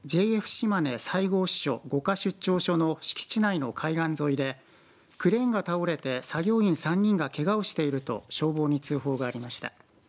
しまね西郷支所五箇出張所の敷地内の海岸沿いでクレーンが倒れて作業員３人がけがをしていると消防に通報がありました。